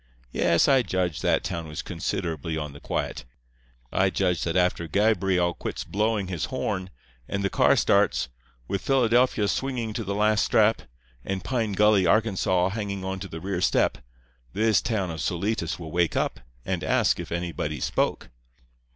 Yes, I judge that town was considerably on the quiet. I judge that after Gabriel quits blowing his horn, and the car starts, with Philadelphia swinging to the last strap, and Pine Gully, Arkansas, hanging onto the rear step, this town of Solitas will wake up and ask if anybody spoke.